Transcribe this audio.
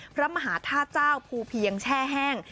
พระมหาธาตุเจ้าภูเพียงแช่แห้ง